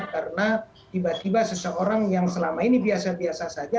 karena tiba tiba seseorang yang selama ini biasa biasa saja